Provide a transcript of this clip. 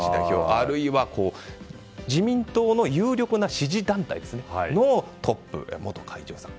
あるいは自民党の有力な支持団体のトップ元会長さん